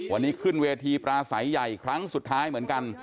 วันนี้ขึ้นเวทีปราศัยใหญ่ครั้งสุดท้ายเหมือนกัน